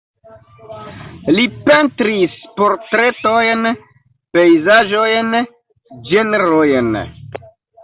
Li pentris portretojn, pejzaĝojn, ĝenrojn.